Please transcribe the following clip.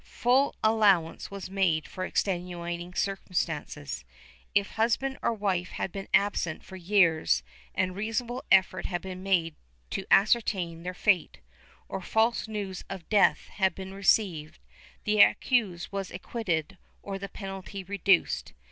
^ Full allowance was made for extenuating circumstances. If husband or wife had been absent for years and reasonable effort had been made to ascertain their fate, or false news of death had been received, the accused was acquitted or the penalty reduced.